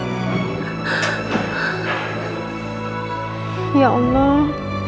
kenapa jadi begini sih